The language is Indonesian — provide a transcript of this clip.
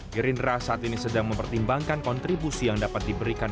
gerindra saat ini sedang mempertimbangkan kontribusi yang dapat diberikan